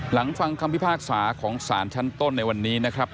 ฟังคำพิพากษาของสารชั้นต้นในวันนี้นะครับ